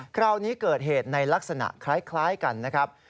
คราวนี้เกิดเหตุในลักษณะคล้ายกันนะครับ